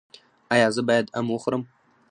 ایا زه باید ام وخورم؟